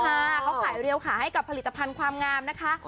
เขาขายเรียวขาให้กับผลิตภัณฑ์ความงามนะคะ